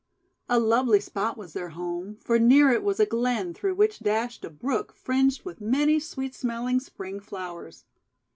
A lovely spot was their home, for near it was a glen through which dashed a brook fringed with many sweet smelling Spring flowers.